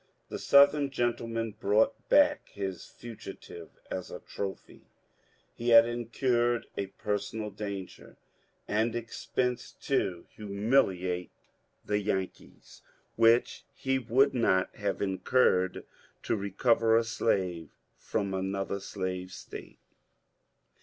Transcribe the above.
The Southern "gentle man" brought back his fugitive as a trophy. He had in curred a personal danger and expense to humiliate the " Yan 230 MONCURE DANIEL CONWAY kees/' which he would not have inoorred to recover a slave from another slave State.